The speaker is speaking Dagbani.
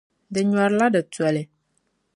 Di nyɔrla di toli.